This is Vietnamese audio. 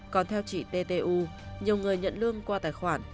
còn theo chị ttu nhiều người nhận lương qua tài khoản